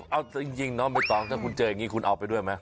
เอ้าจริงเนาะไม่ต้องถ้าคุณเจอยังงี้คุกันออกไปด้วยไหม